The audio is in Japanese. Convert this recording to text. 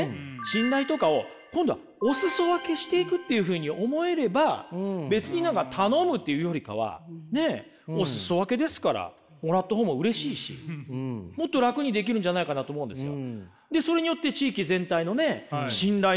信頼とかを今度はおすそ分けしていくっていうふうに思えれば別に何か頼むっていうよりかはおすそ分けですからもらった方もうれしいしもっと楽にできるんじゃないかなと思うんですよ。